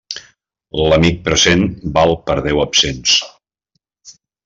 L'amic present val per deu absents.